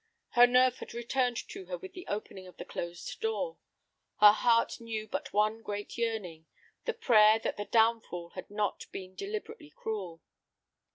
Her nerve had returned to her with the opening of the closed door. Her heart knew but one great yearning, the prayer that the downfall had not been deliberately cruel.